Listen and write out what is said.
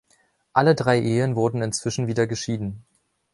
Alle drei Ehen wurden inzwischen wieder geschieden.